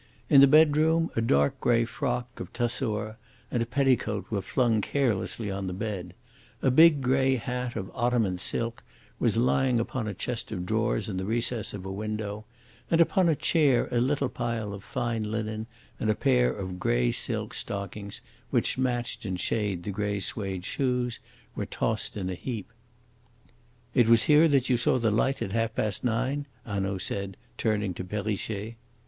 In the bedroom a dark grey frock of tussore and a petticoat were flung carelessly on the bed; a big grey hat of Ottoman silk was lying upon a chest of drawers in the recess of a window; and upon a chair a little pile of fine linen and a pair of grey silk stockings, which matched in shade the grey suede shoes, were tossed in a heap. "It was here that you saw the light at half past nine?" Hanaud said, turning to Perrichet.